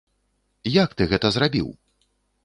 Як ты гэта зрабіў?